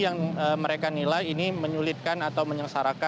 yang mereka nilai ini menyulitkan atau menyengsarakan